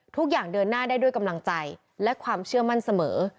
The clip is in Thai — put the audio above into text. เดินหน้าได้ด้วยกำลังใจและความเชื่อมั่นเสมอ